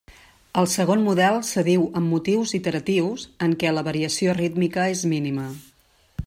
El segon model s'adiu amb motius iteratius, en què la variació rítmica és mínima.